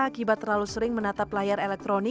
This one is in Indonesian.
akibat terlalu sering menatap layar elektronik